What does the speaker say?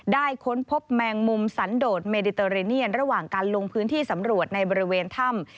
ค้นพบแมงมุมสันโดดเมดิเตอเรเนียนระหว่างการลงพื้นที่สำรวจในบริเวณถ้ำ